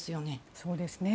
そうですね。